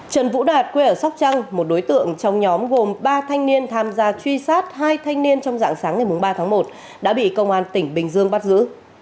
trần vũ đạt quê ở sóc trăng một đối tượng trong nhóm gồm ba thanh niên tham gia truy sát hai thanh niên trong dạng sáng ngày ba tháng một đã bị công an tỉnh bình dương bắt giữ